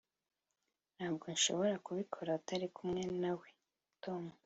ntabwo nshobora kubikora utari kumwe nawe, tom.